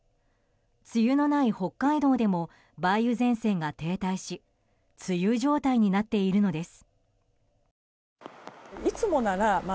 梅雨のない北海道でも梅雨前線が停滞し梅雨状態になっているのです。